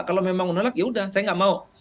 kalau memang menolak yaudah saya enggak mau